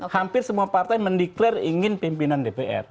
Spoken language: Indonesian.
hampir semua partai mendeklarasi ingin pimpinan dpr